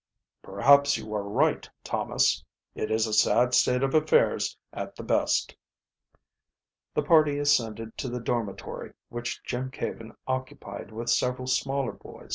"Perhaps you are right, Thomas. It is a sad state of affairs at the best." The party ascended to the dormitory which Jim Caven occupied with several smaller boy.